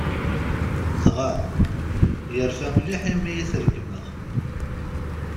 Dɣa, yerfa mliḥ imi i t-regmeɣ.